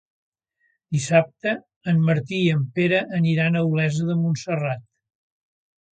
Dissabte en Martí i en Pere aniran a Olesa de Montserrat.